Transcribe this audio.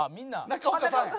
中岡さん！